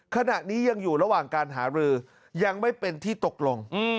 ขณะนี้ยังอยู่ระหว่างการหารือยังไม่เป็นที่ตกลง